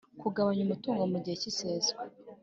kugabanya umutungo mu gihe cy iseswa